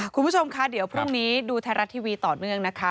คุณผู้ชมค่ะเดี๋ยวพรุ่งนี้ดูไทยรัฐทีวีต่อเนื่องนะคะ